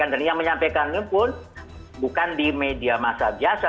dan yang menyampaikan ini pun bukan di media masa biasa